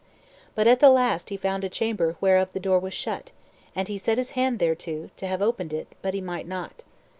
But at the last he found a chamber whereof the door was shut; and he set his hand thereto, to have opened it, but he might not.